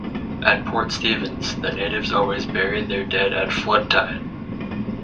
At Port Stephens, the natives always buried their dead at flood tide.